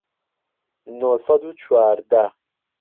نۆ سەد و چواردە